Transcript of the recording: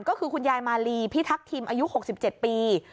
ก็คือคุณยายมาลีพิทักษิมอายุ๖๗ปี